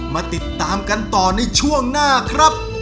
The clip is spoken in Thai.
มาติดตามกันต่อในช่วงหน้าครับ